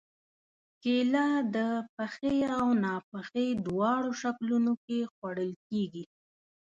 کېله د پخې او ناپخې دواړو شکلونو کې خوړل کېږي.